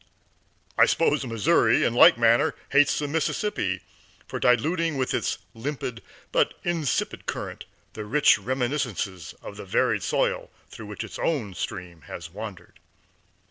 I suppose the Missouri in like manner hates the Mississippi for diluting with its limpid, but insipid current the rich reminiscences of the varied soils through which its own stream has wandered.